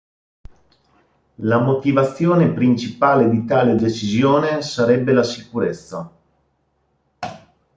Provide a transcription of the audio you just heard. La motivazione principale di tale decisione sarebbe la sicurezza.